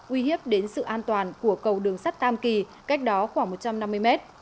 uy hiếp đến sự an toàn của cầu đường sắt tam kỳ cách đó khoảng một trăm năm mươi mét